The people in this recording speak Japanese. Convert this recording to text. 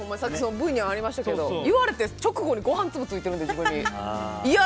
ＶＴＲにありましたけど言われた直後にご飯粒ついているんですよ、自分に。